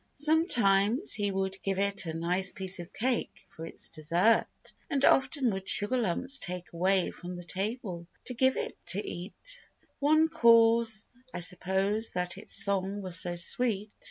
Sometimes he would give it a nice piece of cake For its dessert, and often would sugar lumps take Away from the table, to give it to eat; One cause, I suppose, that its song was so sweet.